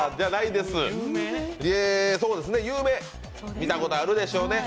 見たことあるでしょうね。